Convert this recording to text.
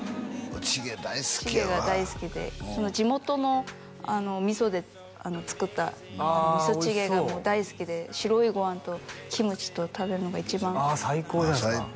チゲ大好きやわチゲが大好きで地元の味噌で作った味噌チゲが大好きで白いご飯とキムチと食べるのが一番ああ最高じゃないっすか